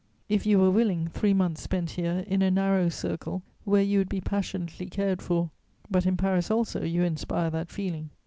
If you were willing, three months spent here, in a narrow circle where you would be passionately cared for: but in Paris also you inspire that feeling.